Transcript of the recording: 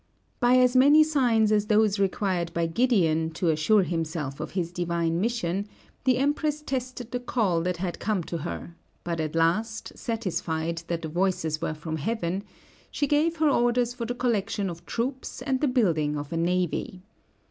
By as many signs as those required by Gideon to assure himself of his divine mission, the Empress tested the call that had come to her, but at last, satisfied that the voices were from Heaven, she gave her orders for the collection of troops and the building of a navy.